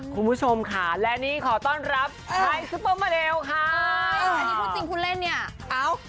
คุณผู้ชมค่ะและนี่ขอต้อนรับไทยซุปเปอร์มาเรลค่ะอันนี้พูดจริงคุณเล่นเนี่ยเอ้า